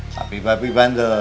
tapi bapak bandel